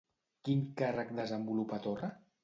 Quin càrrec desenvolupa Torra?